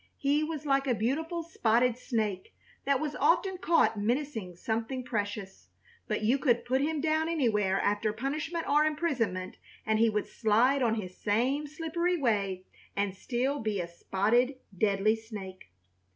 He was like a beautiful spotted snake that was often caught menacing something precious, but you could put him down anywhere after punishment or imprisonment and he would slide on his same slippery way and still be a spotted, deadly snake.